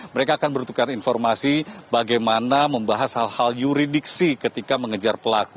mereka akan bertukar informasi bagaimana membahas hal hal yuridiksi ketika mengejar pelaku